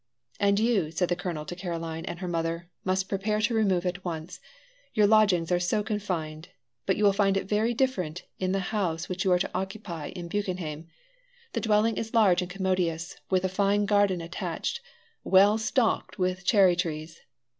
"And you," said the colonel to Caroline and her mother, "must prepare to remove at once. Your lodgings are so confined! But you will find it very different in the house which you are to occupy in Buchenhaim. The dwelling is large and commodious, with a fine garden attached, well stocked with cherry trees.